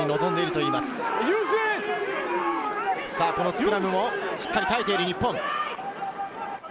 スクラムもしっかり耐えている日本。